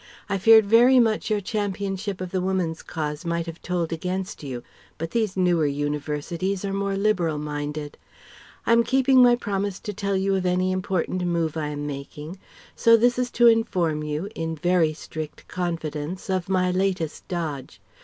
I feared very much your championship of the Woman's Cause might have told against you. But these newer Universities are more liberal minded. I am keeping my promise to tell you of any important move I am making. So this is to inform you, in very strict confidence, of my latest dodge.